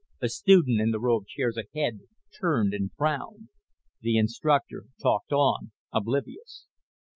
A student in the row of chairs ahead turned and frowned. The instructor talked on, oblivious.